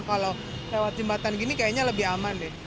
kalau lewat jembatan gini kayaknya lebih aman deh